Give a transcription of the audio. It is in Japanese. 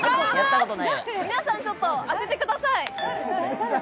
皆さん、ちょっと当ててください。